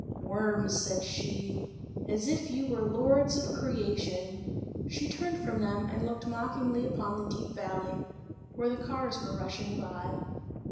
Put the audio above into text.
"Worms!" said she, "as if you were lords of creation!" She turned from them and looked mockingly upon the deep valley, where the cars were rushing by.